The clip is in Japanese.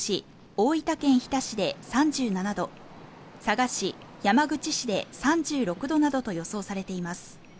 大分県日田市で３７度佐賀市、山口市で３６度などと予想されています